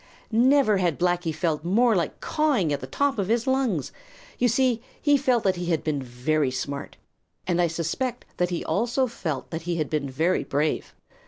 Never had Blacky felt more like cawing at the top of his lungs. You see, he felt that he had been very smart, and I suspect that he also felt that he had been very brave.